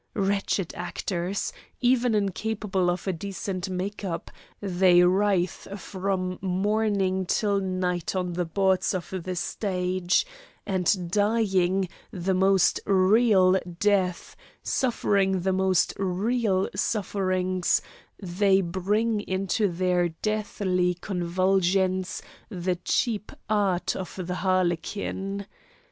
Wretched actors, even incapable of a decent makeup, they writhe from morning till night on the boards of the stage, and, dying the most real death, suffering the most real sufferings, they bring into their deathly convulsions the cheap art of the harlequin.